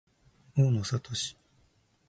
大野智